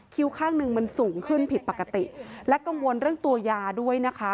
ข้างหนึ่งมันสูงขึ้นผิดปกติและกังวลเรื่องตัวยาด้วยนะคะ